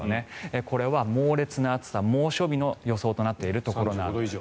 これは猛烈な暑さ猛暑日の予想となっているところです。